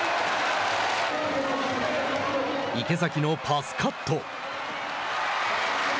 池崎のパスカット。